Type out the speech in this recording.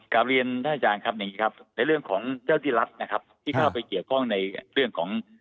กราบเรียนท่านอาจารย์ในเรื่องของเจ้าที่รัฐที่เข้าไปเกี่ยวข้องในเรื่องของ